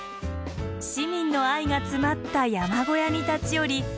市民の愛が詰まった山小屋に立ち寄り山頂を目指します。